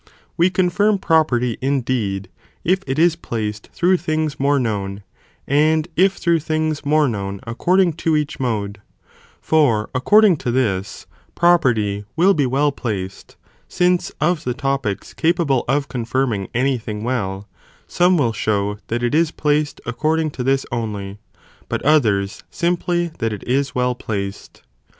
We confirm property indeed, if it is placed through things more known, and if through things more known according to each mode, for according to this, property will be well placed, since of the topics capable of confirming any thing well, some will show that it is placed according to this only, but others simply that it is well placed.